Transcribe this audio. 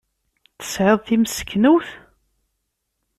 Tesɛid timseknewt?